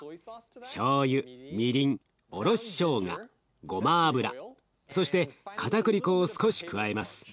しょうゆみりんおろししょうがごま油そしてかたくり粉を少し加えます。